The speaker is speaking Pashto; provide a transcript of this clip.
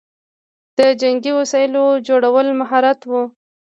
د جنګي وسایلو جوړول مهارت و